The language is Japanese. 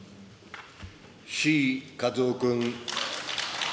志位和夫君。